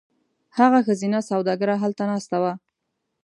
هغه ښځینه سوداګره هلته ناسته وه.